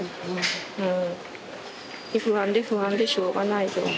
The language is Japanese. もう不安で不安でしょうがない状況。